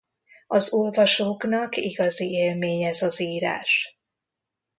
Az olvasóknak igazi élmény ez az írás.